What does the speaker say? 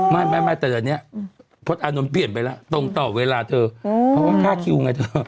ไม่แต่เดี๋ยวนี้พศอาโน้นเปลี่ยนไปแล้วตรงต่อเวลาเธอเขาก็ค่าคิวไงเธอ